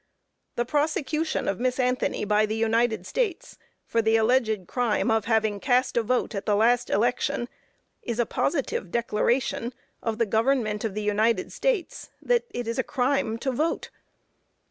The prosecution of Miss Anthony by the United States, for the alleged crime of having cast a vote at the last election, is a positive declaration of the government of the United States that it is a crime to vote.